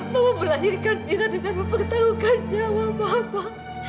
mama melahirkan mira dengan mempertaruhkan nyawa mama